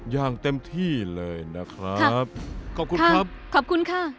อย่างเต็มที่เลยนะครับขอบคุณครับขอบคุณค่ะ